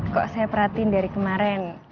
kok saya perhatiin dari kemarin